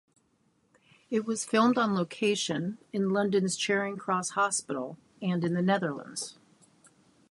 It was filmed on location in London's Charing Cross Hospital and in the Netherlands.